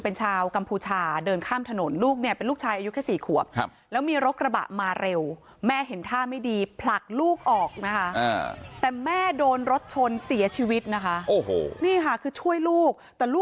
เป็นชาวกัมพูชาเดินข้ามถนนลูกเนี่ยเป็นลูก